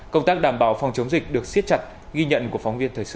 công tác đảm bảo phòng chống dịch được siết chặt ghi nhận của phóng viên thời sự